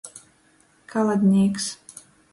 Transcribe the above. Kaladnīks.